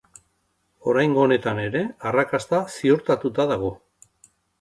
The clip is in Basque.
Oraingo honetan ere, arrakasta ziurtatuta dago.